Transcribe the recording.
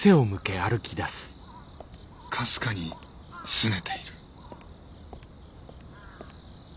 かすかにすねている。